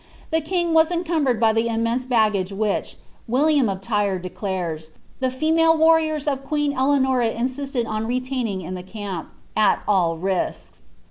The king was eom coinbcKd by the immense baggage which, \Villiani of Tyre declarer, ib^ ieoMln warriors of queen Eleanora insisted on retaining in the camp, M dl risk*.